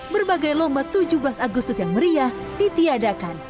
berbagai lomba tujuh belas agustus yang meriah ditiadakan